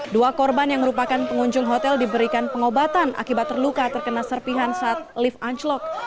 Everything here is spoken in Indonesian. dua korban yang merupakan pengunjung hotel diberikan pengobatan akibat terluka terkena serpihan saat lift anjlok